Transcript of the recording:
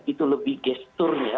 itu lebih gesturnya